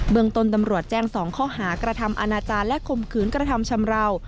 เมืองต้นตำรวจแจ้ง๒ข้อหากระทำอาณาจารย์และข่มขืนกระทำชำราว